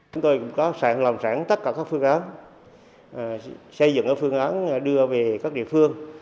chúng tôi cũng có sẵn lòng sẵn tất cả các phương án xây dựng phương án đưa về các địa phương